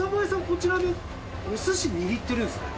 こちらでお寿司握ってるんですね。